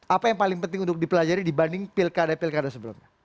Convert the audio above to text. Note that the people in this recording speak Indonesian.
apa yang paling penting untuk dipelajari dibanding pilkada pilkada sebelumnya